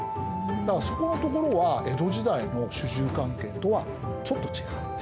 だからそこのところは江戸時代の主従関係とはちょっと違う。